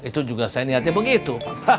itu juga saya niatnya begitu